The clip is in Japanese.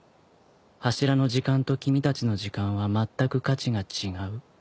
柱の時間と君たちの時間はまったく価値が違う。